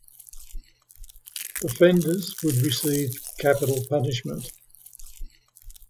Offenders would receive capital punishment.